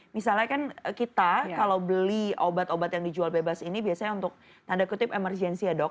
misalnya kan kita kalau beli obat obat yang dijual bebas ini biasanya untuk tanda kutip emergensi ya dok